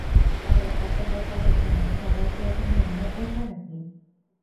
আরে কতো বেকার এখানে, সবাই কি এখন হেলমেট বেচবে নাকি?